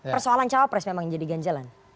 persoalan cawapres memang yang jadi ganjalan